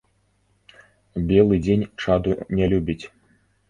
Белы дзень чаду не любіць.